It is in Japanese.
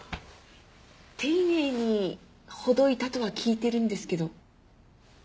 丁寧にほどいたとは聞いてるんですけど。